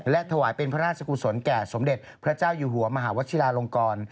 และถวายเป็นพระราชกุศลแก่สมเด็จพระเจ้าอยู่หัวมหาวชิลาลงกร